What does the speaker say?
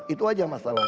itu saja masalah